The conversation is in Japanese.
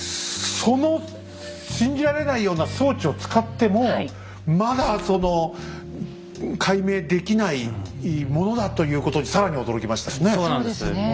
その信じられないような装置を使ってもまだその解明できないものだということに更に驚きましたよね。